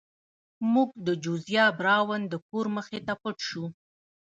موږ د جوزیا براون د کور مخې ته پټ شو.